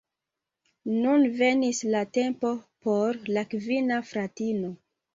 Nun venis la tempo por la kvina fratino.